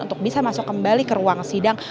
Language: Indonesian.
untuk bisa masuk kembali ke ruang sidang